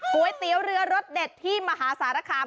ก๋วยเตี๋ยวเรือรสเด็ดที่มหาสารคาม